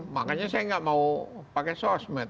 makanya saya nggak mau pakai sosmed